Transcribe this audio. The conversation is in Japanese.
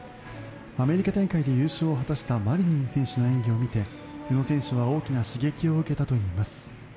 アメリカ大会で優勝を果たしたマリニン選手の演技を見て、宇野昌磨選手は大きな刺激を受けたといいます。